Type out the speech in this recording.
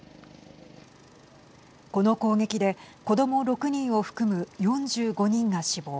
この攻撃で子ども６人を含む４５人が死亡。